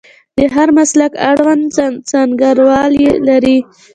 د هر مسلک اړوند څانګوال یې لري.